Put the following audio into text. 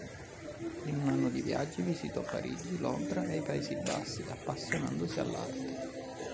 In un anno di viaggi, visitò Parigi, Londra e i Paesi Bassi, appassionandosi all'arte.